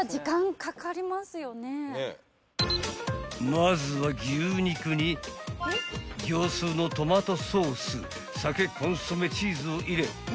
［まずは牛肉に業スーのトマトソース酒コンソメチーズを入れ